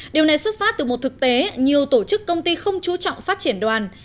điều này xuất phát từ một thực tế nhiều tổ chức công ty không chú trọng phát triển đoàn